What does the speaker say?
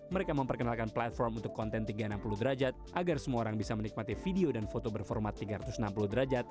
mereka memperkenalkan platform untuk konten tiga ratus enam puluh derajat agar semua orang bisa menikmati video dan foto berformat tiga ratus enam puluh derajat